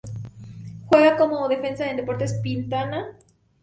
Juega como defensa en Deportes Pintana de la Segunda División Profesional de Chile.